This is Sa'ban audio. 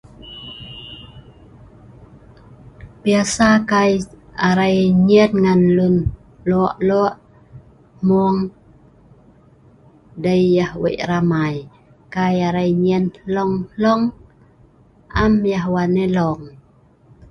Biasa kai arai nyien ngan luen loo’-loo’ mueng dei yeh eei ramai. Kai arai nyien hloung-hloung am yeh wan elong